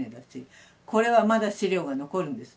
これはまだ資料が残るんです。